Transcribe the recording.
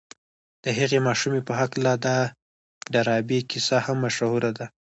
د هغې ماشومې په هکله د ډاربي کيسه هم مشهوره ده.